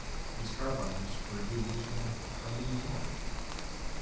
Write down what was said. These carbines were used in the Crimean War.